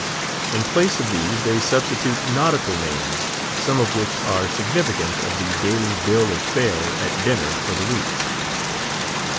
In place of these they substitute nautical names, some of which are significant of the daily bill of fare at dinner for the week.